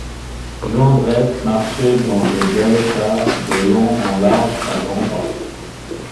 Jondrette marchait dans le galetas de long en large à grands pas.